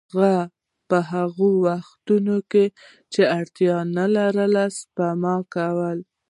هغه په هغو وختونو کې چې اړتیا نلري سپما کوي